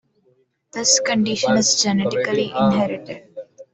This condition is genetically inherited.